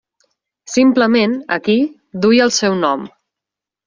Simplement, aquí, duia el seu nom.